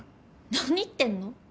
何言ってんの。